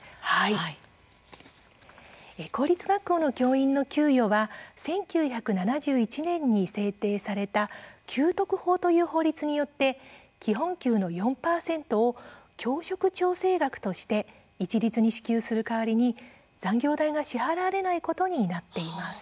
公立学校の教員の給与は１９７１年に制定された給特法という法律によって基本給の４％を教職調整額として一律に支給する代わりに残業代が支払われないことになっています。